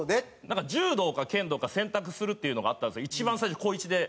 なんか柔道か剣道か選択するっていうのがあったんですよ一番最初高１で。